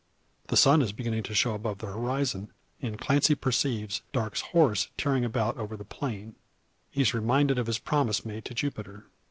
The sun is beginning to show above the horizon, and Clancy perceives Darke's horse tearing about over the plain. He is reminded of his promise made to Jupiter.